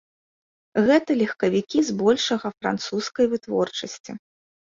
Гэта легкавікі збольшага французскай вытворчасці.